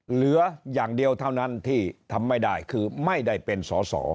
เหลืออย่างเดียวเท่านั้นที่ทำไม่ได้คือไม่ได้เป็นสอสอ